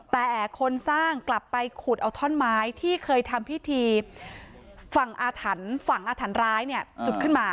แต่คนสร้างกลับไปขุดเอาท่อนไม้ที่เคยทำพิธีฝั่งอาถรรพ์ฝั่งอาถรรพร้ายเนี่ยจุดขึ้นมา